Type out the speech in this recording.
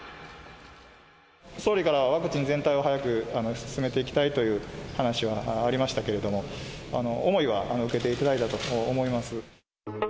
総理からは、ワクチン全体を早く進めていきたいという話はありましたけれども、思いは受けていただいたと思います。